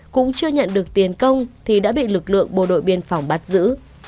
cũng chưa nhận được tiền công thì đã bị lực lượng bộ đội biên phòng bắt giữ